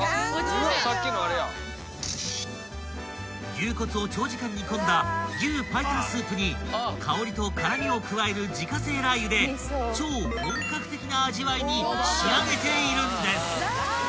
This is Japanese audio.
［牛骨を長時間煮込んだ牛白湯スープに香りと辛味を加える自家製ラー油で超本格的な味わいに仕上げているんです］